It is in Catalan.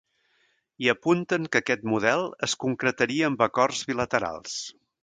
I apunten que aquest model es concretaria amb acords bilaterals.